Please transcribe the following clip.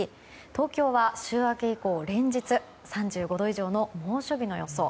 東京は週明け以降連日３５度以上の猛暑日の予想。